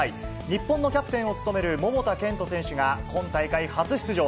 日本のキャプテンを務める桃田賢斗選手が、今大会初出場。